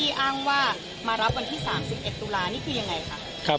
รับไปตั้งแต่วันที่๒๗ตุลาฯ